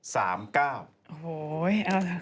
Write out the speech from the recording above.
โห้ยเอาละ